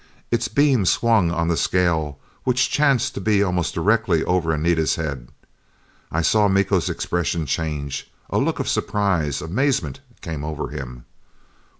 Its beam swung on the scale, which chanced to be almost directly over Anita's head. I saw Miko's expression change.... A look of surprise, amazement, came over him.